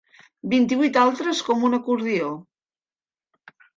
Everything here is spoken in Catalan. Vint-i-vuit altres com un acordió.